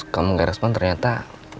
kau tiduran ya dari tadi malem